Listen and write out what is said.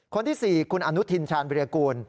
คนที่๔คุณอนุทินชาญวิรากูล